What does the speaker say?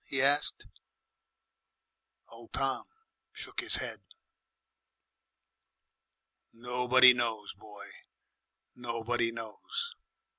he asked. Old Tom shook his head. "Nobody knows, boy, nobody knows."